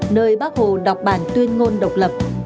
nơi bác hồ đọc bản tuyên ngôn độc lập